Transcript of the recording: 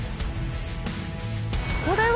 これは